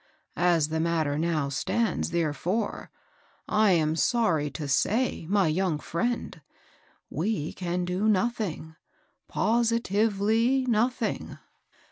As the matter A LEGAL FRIEND, 259 now stands, therefore, I am sorry to say, my young friend, we can do nothing, — positively nothing."